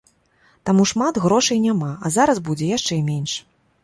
Таму шмат грошай няма, а зараз будзе яшчэ менш.